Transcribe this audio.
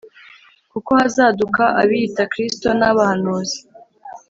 Kuko hazaduka abiyita kristo n abahanuzi